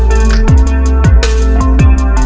terima kasih putri